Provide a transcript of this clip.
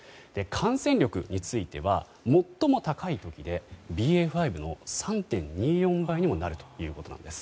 感染力については最も高い時でＢＡ．５の３．２４倍にもなるということです。